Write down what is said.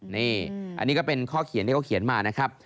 นี่อันนี้ก็เป็นข้อเขียนที่เขาเขียนมานะครับ